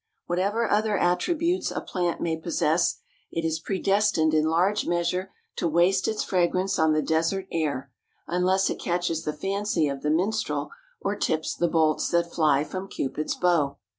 Whatever other attributes a plant may possess, it is predestined in large measure to waste its fragrance on the desert air, unless it catches the fancy of the minstrel or tips the bolts that fly from Cupid's bow.